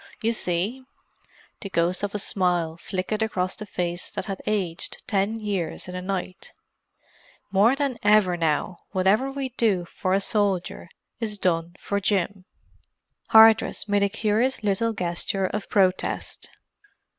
You see"—the ghost of a smile flickered across the face that had aged ten years in a night—"more than ever now, whatever we do for a soldier is done for Jim." Hardress made a curious little gesture of protest.